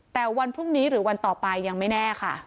แต่วันพรุ่งนี้หรือวันต่อไปยังไม่แน่ค่ะ